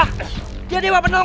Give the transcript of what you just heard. terima kasih nu operation